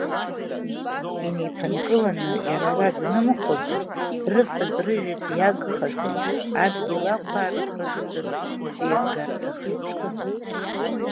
Инеиԥынкыланы иара ара днымхозар, рыфатә-рыжәтә иагхаӡон, адгьыл ақәаарыхра заҵәык ԥсеивгарҭахеит.